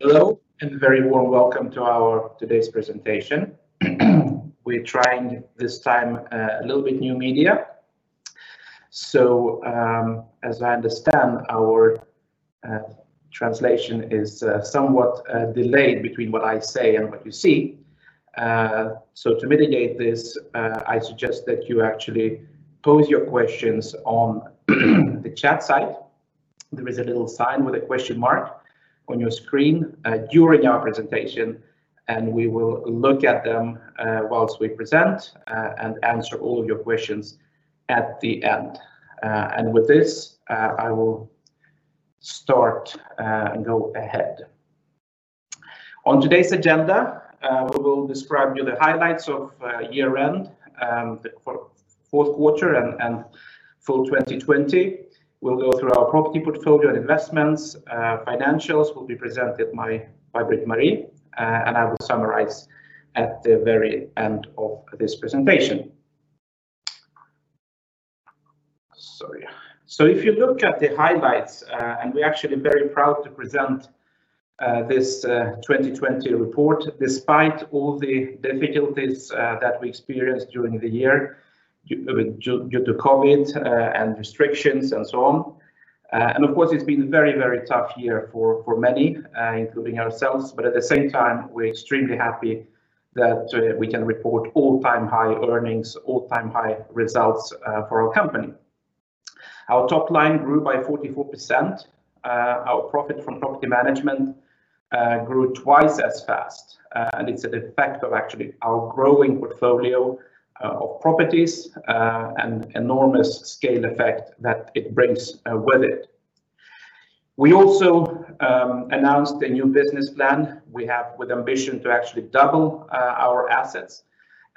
Hello, and a very warm welcome to our today's presentation. We're trying this time a little bit new media. As I understand, our translation is somewhat delayed between what I say and what you see. To mitigate this, I suggest that you actually pose your questions on the chat side. There is a little sign with a question mark on your screen during our presentation, and we will look at them while we present and answer all of your questions at the end. With this, I will start and go ahead. On today's agenda, we will describe you the highlights of year-end, for fourth quarter and full 2020. We'll go through our property portfolio and investments. Financials will be presented by Britt-Marie, and I will summarize at the very end of this presentation. Sorry. If you look at the highlights, and we're actually very proud to present this 2020 report despite all the difficulties that we experienced during the year due to COVID and restrictions and so on. Of course, it's been very, very tough year for many, including ourselves. At the same time, we're extremely happy that we can report all-time high earnings, all-time high results for our company. Our top line grew by 44%. Our profit from property management grew twice as fast. It's an effect of actually our growing portfolio of properties, and enormous scale effect that it brings with it. We also announced a new business plan we have with ambition to actually double our assets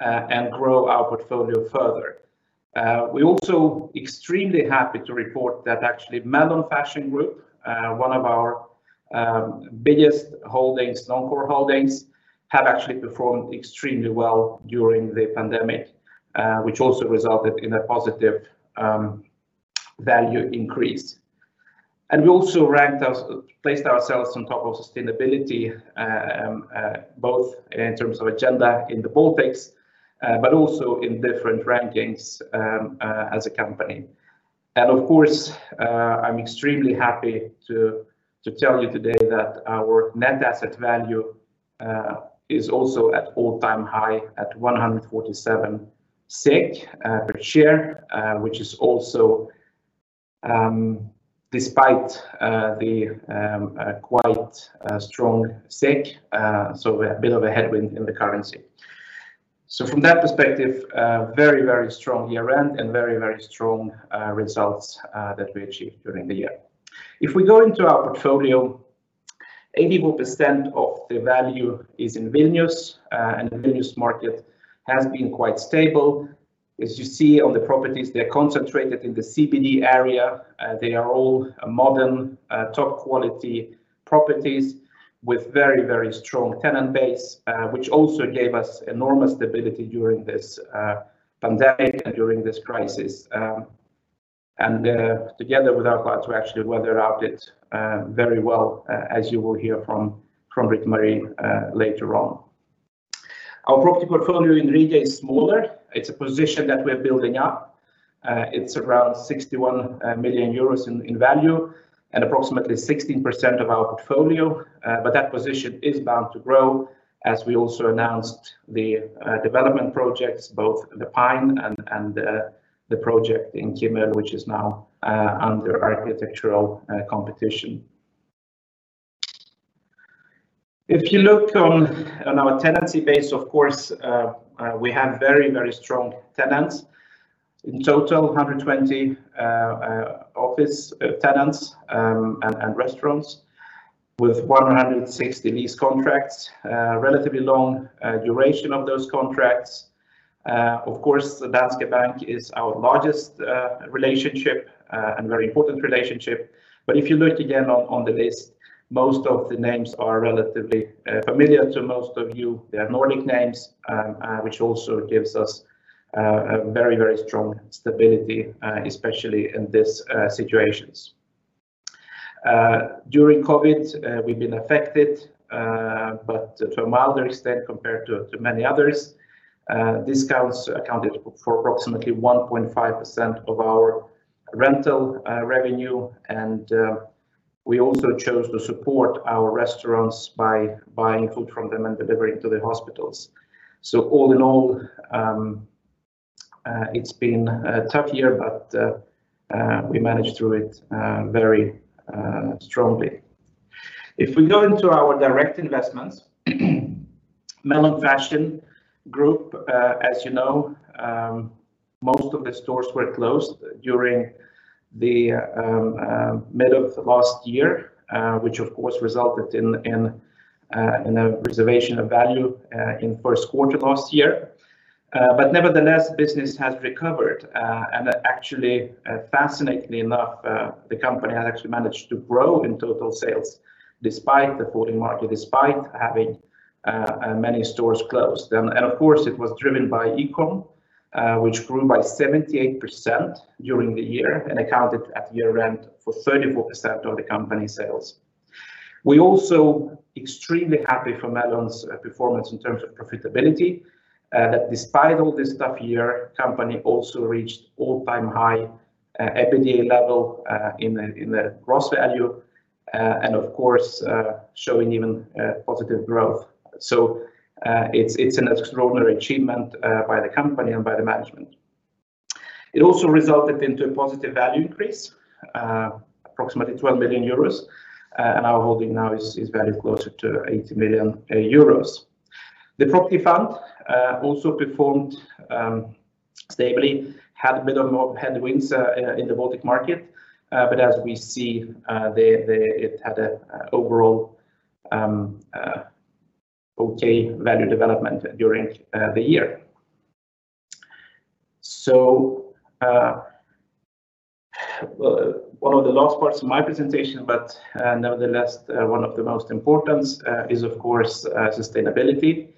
and grow our portfolio further. We're also extremely happy to report that actually Melon Fashion Group, one of our biggest holdings, non-core holdings, have actually performed extremely well during the pandemic, which also resulted in a positive value increase. We also placed ourselves on top of sustainability, both in terms of agenda in the Baltics but also in different rankings as a company. Of course, I'm extremely happy to tell you today that our net asset value is also at all-time high at 147 SEK per share, which is also despite the quite strong SEK, a bit of a headwind in the currency. From that perspective, a very, very strong year-end, and very, very strong results that we achieved during the year. If we go into our portfolio, 81% of the value is in Vilnius. The Vilnius market has been quite stable. As you see on the properties, they're concentrated in the CBD area. They are all modern, top-quality properties with very, very strong tenant base, which also gave us enormous stability during this pandemic and during this crisis. Together with our clients, we actually weathered out it very well, as you will hear from Britt-Marie later on. Our property portfolio in Riga is smaller. It's a position that we're building up. It's around 61 million euros in value and approximately 16% of our portfolio. That position is bound to grow as we also announced the development projects, both The Pine and the project in Kimmel, which is now under architectural competition. If you look on our tenancy base, of course, we have very, very strong tenants. In total, 120 office tenants and restaurants with 160 lease contracts, a relatively long duration of those contracts. Of course, Danske Bank is our largest relationship and very important relationship. If you look again on the list, most of the names are relatively familiar to most of you. They are Nordic names, which also gives us a very, very strong stability, especially in these situations. During COVID, we've been affected, but to a milder extent compared to many others. Discounts accounted for approximately 1.5% of our rental revenue, and we also chose to support our restaurants by buying food from them and delivering to the hospitals. All in all, it's been a tough year, but we managed through it very strongly. If we go into our direct investments, Melon Fashion Group, as you know, most of the stores were closed during the middle of last year, which of course resulted in a reservation of value in first quarter last year. Nevertheless, business has recovered. Actually, fascinatingly enough, the company has actually managed to grow in total sales despite the falling market, despite having many stores closed. Of course, it was driven by e-com, which grew by 78% during the year and accounted at year-end for 34% of the company sales. We're also extremely happy for Melon's performance in terms of profitability. That despite all this tough year, company also reached all-time high EBITDA level in the gross value, and of course, showing even positive growth. It's an extraordinary achievement by the company and by the management. It also resulted into a positive value increase, approximately 12 million euros, and our holding now is valued closer to 80 million euros. The property fund also performed stably, had a bit of more headwinds in the Baltic market. As we see, it had an overall okay value development during the year. One of the last parts of my presentation, but nevertheless one of the most importance, is of course, sustainability.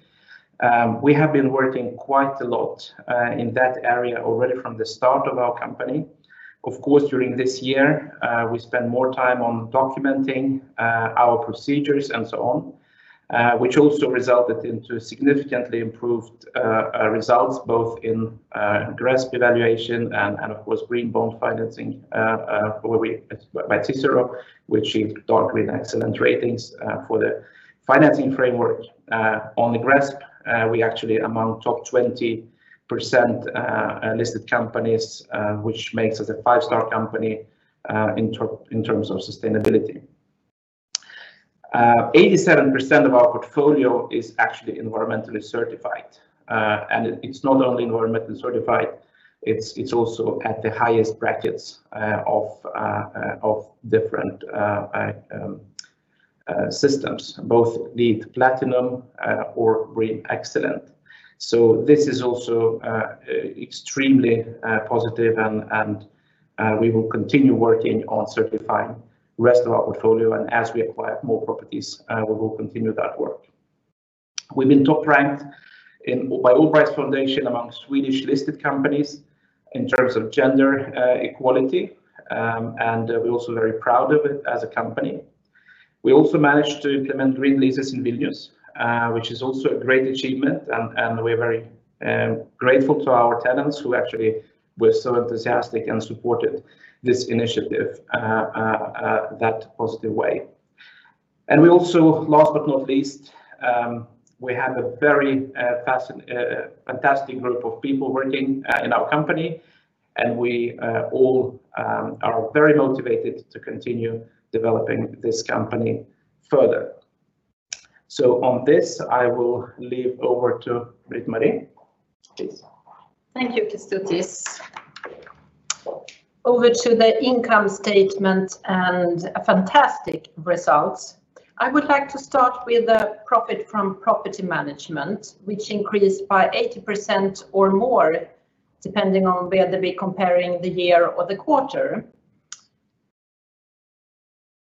We have been working quite a lot in that area already from the start of our company. Of course, during this year, we spent more time on documenting our procedures and so on, which also resulted into significantly improved results, both in GRESB evaluation and of course, green bond financing, by CICERO, which achieved dark green excellent ratings for the financing framework. On the GRESB, we actually among top 20% listed companies, which makes us a five-star company in terms of sustainability. 87% of our portfolio is actually environmentally certified. It's not only environmentally certified, it's also at the highest brackets of different systems, both LEED Platinum or Green Excellent. This is also extremely positive, and we will continue working on certifying rest of our portfolio. As we acquire more properties, we will continue that work. We've been top-ranked by AllBright Foundation among Swedish-listed companies in terms of gender equality. We're also very proud of it as a company. We also managed to implement green leases in Vilnius, which is also a great achievement. We are very grateful to our tenants who actually were so enthusiastic and supported this initiative that positive way. We also, last but not least, we have a very fantastic group of people working in our company. We all are very motivated to continue developing this company further. On this, I will leave over to Britt-Marie. Please. Thank you, Kęstutis. Over to the income statement and fantastic results. I would like to start with the profit from property management, which increased by 80% or more, depending on whether we're comparing the year or the quarter.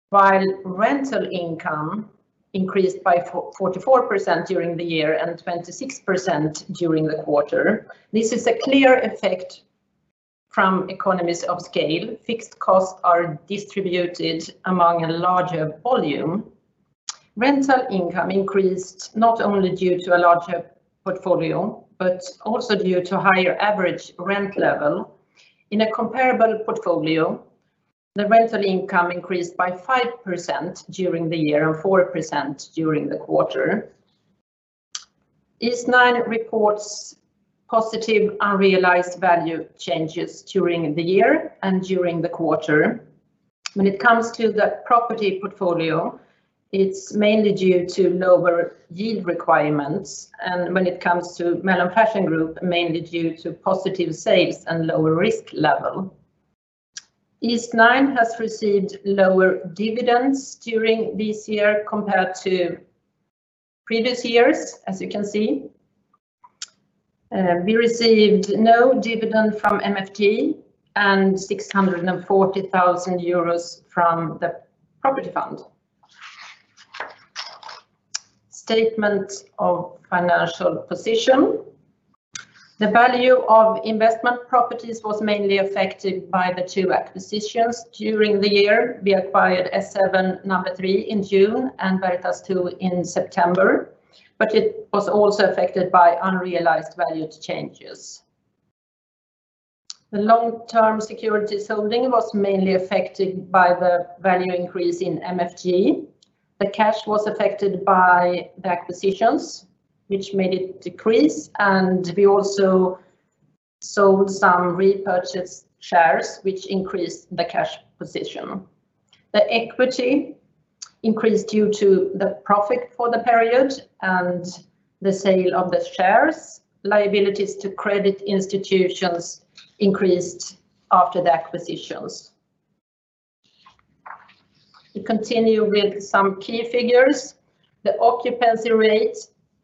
While rental income increased by 44% during the year and 26% during the quarter. This is a clear effect from economies of scale. Fixed costs are distributed among a larger volume. Rental income increased not only due to a larger portfolio, but also due to higher average rent level. In a comparable portfolio, the rental income increased by 5% during the year, or 4% during the quarter. Eastnine reports positive unrealized value changes during the year and during the quarter. When it comes to the property portfolio, it's mainly due to lower yield requirements, and when it comes to Melon Fashion Group, mainly due to positive sales and lower risk level. Eastnine has received lower dividends during this year compared to previous years, as you can see. We received no dividend from MFG and 640,000 euros from the property fund. Statement of financial position. The value of investment properties was mainly affected by the two acquisitions during the year. We acquired S7-3 in June and Vertas-2 in September. It was also affected by unrealized value changes. The long-term security holding was mainly affected by the value increase in MFG. The cash was affected by the acquisitions, which made it decrease, and we also sold some repurchase shares, which increased the cash position. The equity increased due to the profit for the period and the sale of the shares. Liabilities to credit institutions increased after the acquisitions. We continue with some key figures. The occupancy rate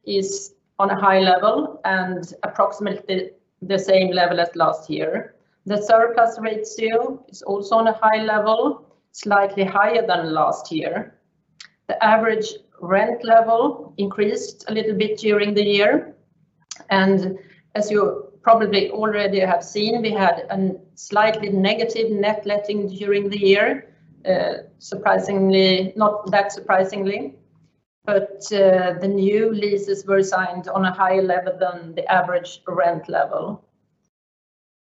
is on a high level and approximately the same level as last year. The surplus rate still is also on a high level, slightly higher than last year. The average rent level increased a little bit during the year. As you probably already have seen, we had a slightly negative net letting during the year, not that surprisingly. The new leases were signed on a higher level than the average rent level.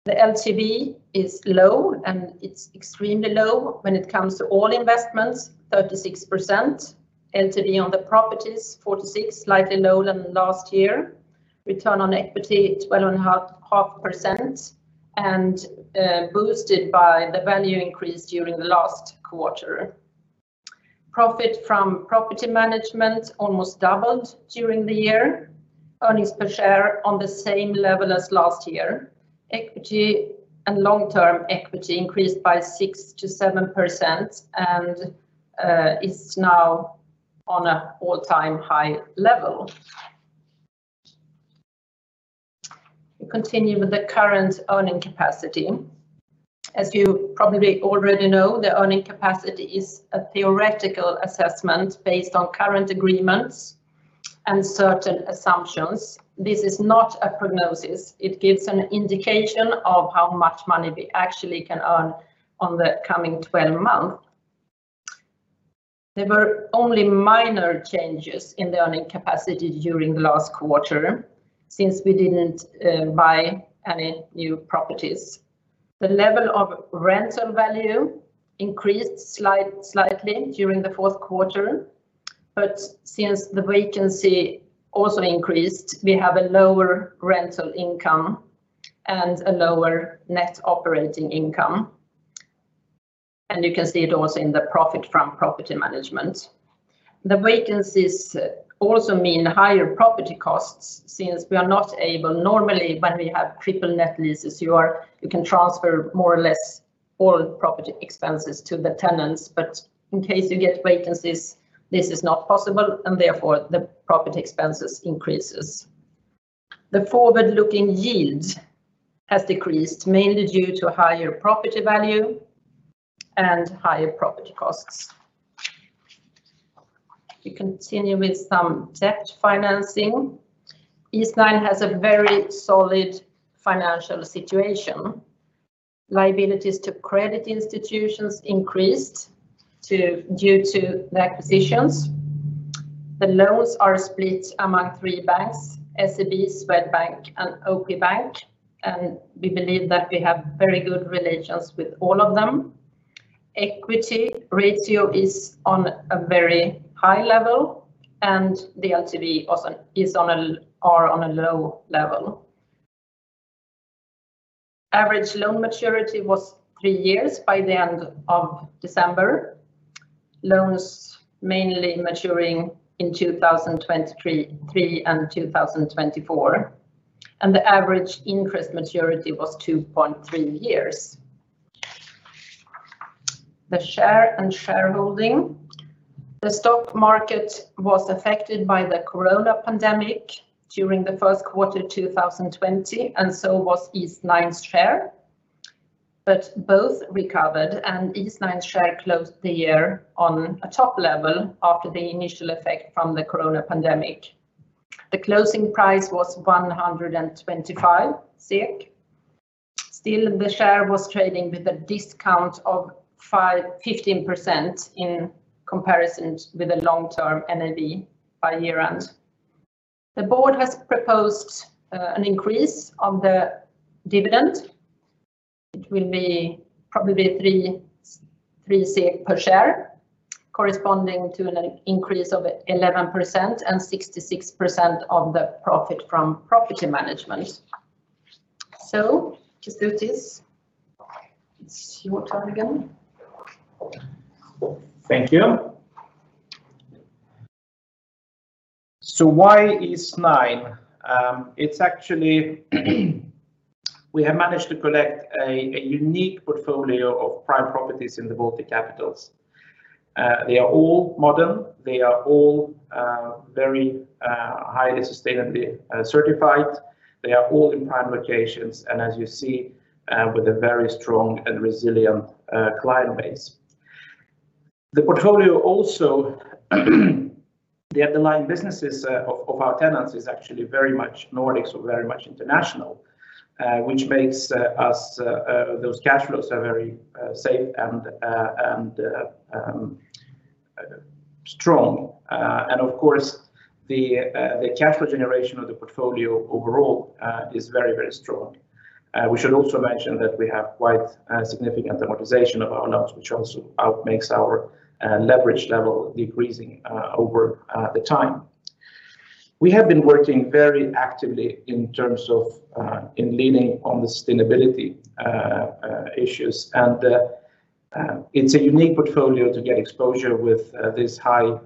The LTV is low, and it's extremely low when it comes to all investments, 36%. LTV on the properties, 46, slightly lower than last year. Return on equity, 12.5% and boosted by the value increase during the last quarter. Profit from property management almost doubled during the year. Earnings per share on the same level as last year. Equity and long-term equity increased by 6%-7% and is now on an all-time high level. We continue with the current earning capacity. As you probably already know, the earning capacity is a theoretical assessment based on current agreements and certain assumptions. This is not a prognosis. It gives an indication of how much money we actually can earn on the coming 12 months. There were only minor changes in the earning capacity during the last quarter, since we didn't buy any new properties. The level of rental value increased slightly during the fourth quarter, but since the vacancy also increased, we have a lower rental income and a lower net operating income. You can see it also in the profit from property management. The vacancies also mean higher property costs, since Normally, when we have triple net leases, you can transfer more or less all property expenses to the tenants. In case you get vacancies, this is not possible, and therefore, the property expenses increases. The forward-looking yield has decreased, mainly due to higher property value and higher property costs. We continue with some debt financing. Eastnine has a very solid financial situation. Liabilities to credit institutions increased due to the acquisitions. The loans are split among three banks, SEB, Swedbank, and OP Bank, and we believe that we have very good relations with all of them. Equity ratio is on a very high level, and the LTV are on a low level. Average loan maturity was three years by the end of December. Loans mainly maturing in 2023 and 2024, and the average interest maturity was 2.3 years. The share and shareholding. The stock market was affected by the COVID pandemic during the first quarter 2020, and so was Eastnine's share, but both recovered, and Eastnine's share closed the year on a top level after the initial effect from the COVID pandemic. The closing price was 125. Still, the share was trading with a discount of 15% in comparison with the long-term NAV by year-end. The board has proposed an increase on the dividend, which will be probably 3 per share, corresponding to an increase of 11% and 66% of the profit from property management. Kestutis. It's your turn again. Thank you. Why Eastnine? We have managed to collect a unique portfolio of prime properties in the Baltic capitals. They are all modern. They are all very highly sustainably certified. They are all in prime locations. As you see, with a very strong and resilient client base. The portfolio also, the underlying businesses of our tenants is actually very much Nordics or very much international, which makes those cash flows are very safe and strong. Of course, the cash flow generation of the portfolio overall is very, very strong. We should also mention that we have quite a significant amortization of our loans, which also makes our leverage level decreasing over the time. We have been working very actively in terms of leaning on the sustainability issues. It's a unique portfolio to get exposure with this high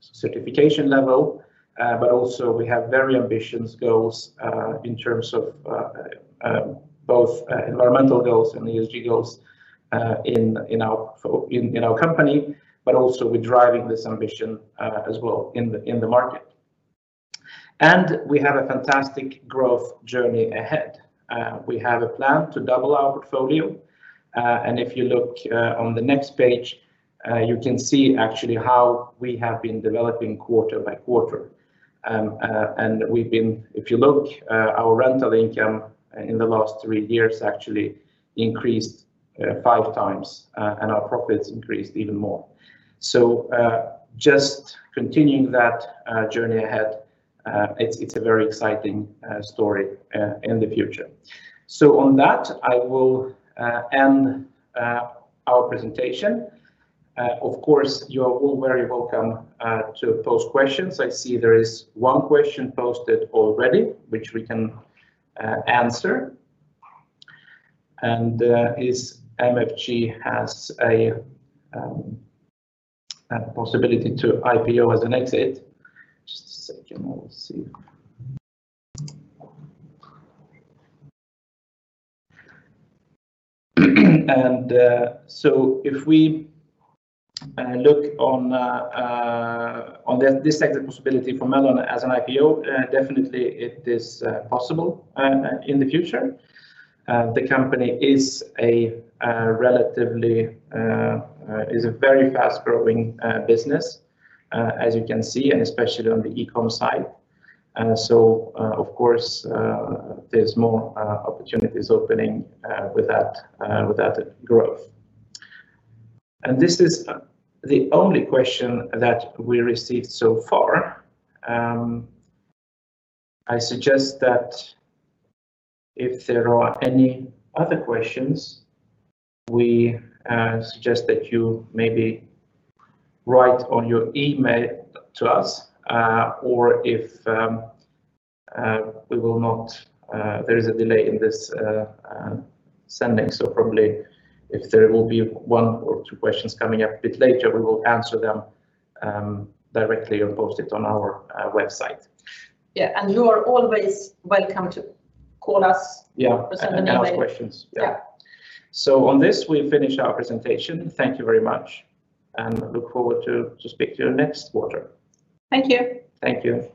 certification level. Also we have very ambitious goals in terms of both environmental goals and ESG goals in our company, but also we're driving this ambition as well in the market. We have a fantastic growth journey ahead. We have a plan to double our portfolio. If you look on the next page. You can see actually how we have been developing quarter by quarter. If you look, our rental income in the last three years actually increased five times. Our profits increased even more. Just continuing that journey ahead, it's a very exciting story in the future. On that, I will end our presentation. Of course, you are all very welcome to post questions. I see there is one question posted already, which we can answer. Is MFG has a possibility to IPO as an exit? Just a second. I will see. If we look on this exit possibility for Melon as an IPO, definitely it is possible in the future. The company is a very fast-growing business, as you can see, and especially on the e-com side. Of course, there's more opportunities opening with that growth. This is the only question that we received so far. I suggest that if there are any other questions, we suggest that you maybe write on your email to us, or if there is a delay in this sending, so probably if there will be one or two questions coming up a bit later, we will answer them directly or post it on our website. Yeah. You are always welcome to call us. Yeah. send an email. Ask questions. Yeah. On this, we finish our presentation. Thank you very much, and look forward to speak to you next quarter. Thank you. Thank you.